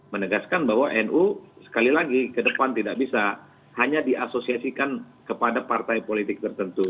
menegaskan bahwa nu sekali lagi ke depan tidak bisa hanya diasosiasikan kepada partai politik tertentu